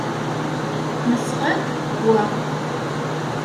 Nesɣa-d wa.